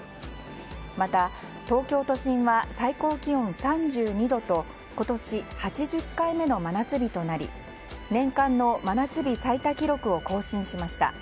また東京都心は最高気温３２度と今年８０回目の真夏日となり年間の真夏日最多記録を更新しました。